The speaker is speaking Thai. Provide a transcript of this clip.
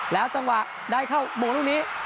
แล้วจังหวะได้เข้าโมงลูกนี้